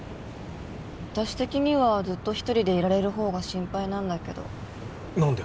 私的にはずっと一人でいられる方が心配なんだけど何で？